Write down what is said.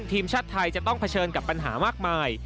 ทีมชาติไทยจะต้องเผชิญกับปัญหามากมาย